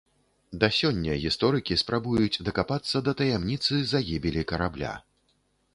Да сёння гісторыкі спрабуюць дакапацца да таямніцы загібелі карабля.